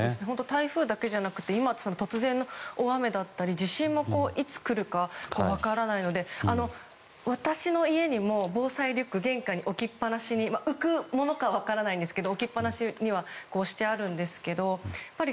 台風だけじゃなくて突然の大雨だったり地震もいつ来るか分からないので私の家にも、防災リュックが玄関に浮くものか分からないんですけど置きっぱなしにしてあるんですけど。